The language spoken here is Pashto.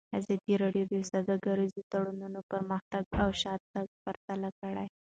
ازادي راډیو د سوداګریز تړونونه پرمختګ او شاتګ پرتله کړی.